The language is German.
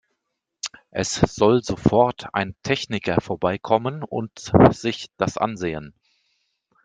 Es soll sofort ein Techniker vorbeikommen und sich das ansehen!